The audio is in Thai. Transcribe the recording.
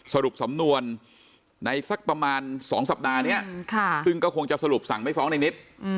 สรุปสำนวนในสักประมาณ๒สัปดาห์นี้ซึ่งก็คงจะสรุปสั่งไม่ฟ้องในนิด